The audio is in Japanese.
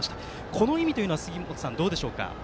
この意味というのはどうでしょうか。